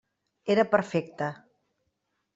Era perfecte.